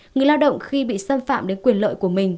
người lao động khi bị xâm phạm đến quyền lợi của mình